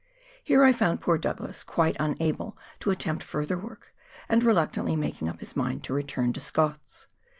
Here I found poor Douglas quite unable to attempt further work, and reluctantly making up his mind to return to Scott's.